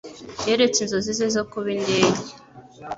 yaretse inzozi ze zo kuba indege.